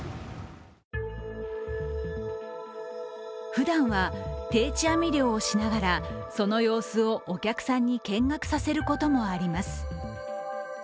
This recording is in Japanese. ふだんは定置網漁をしながらその様子をお客さんに見学させることもあります。